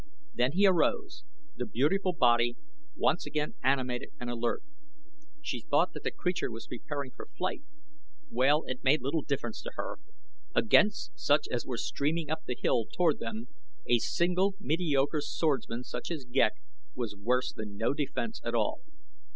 Then he arose, the beautiful body once again animated and alert. She thought that the creature was preparing for flight. Well, it made little difference to her. Against such as were streaming up the hill toward them a single mediocre swordsman such as Ghek was worse than no defense at all.